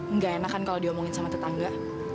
nggak enak kan kalau diomongin sama tetangga